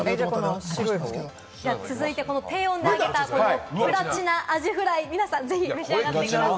続いて、低温で揚げたプラチナアジフライ、皆さん、ぜひ召し上がってください。